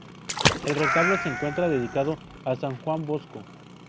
El retablo se encuentra dedicado a san Juan Bosco.